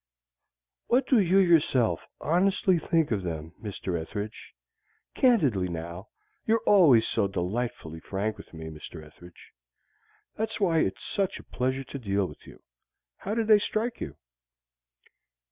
"What do you yourself honestly think of them, Mr. Ethridge? Candidly, now. You're always so delightfully frank with me, Mr. Ethridge. That's why it's such a pleasure to deal with you. How did they strike you?"